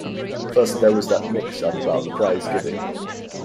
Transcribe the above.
First there was that mix-up about the prize-giving.